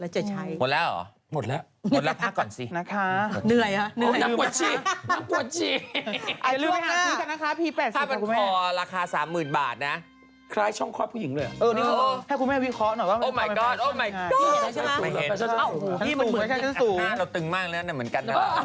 ช่วงสวัสดิ์ปรามนะ